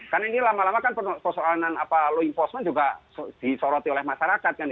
karena ini lama lama kan persoalanan low enforcement juga disoroti oleh masyarakat